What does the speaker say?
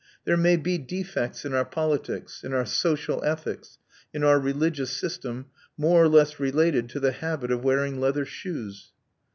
There may be defects in our politics, in our social ethics, in our religious system, more or less related to the habit of wearing leather shoes.